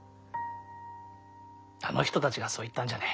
あの人たちがそう言ったんじゃねえ。